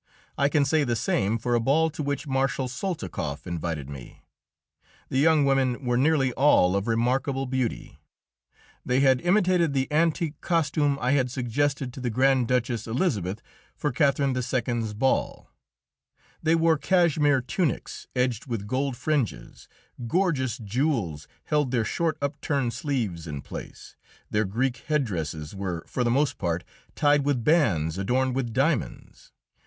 I can say the same for a ball to which Marshal Soltikoff invited me. The young women were nearly all of remarkable beauty. They had imitated the antique costume I had suggested to the Grand Duchess Elisabeth for Catherine II.'s ball. They wore cashmere tunics edged with gold fringes; gorgeous jewels held their short upturned sleeves in place; their Greek head dresses were for the most part tied with bands adorned with diamonds.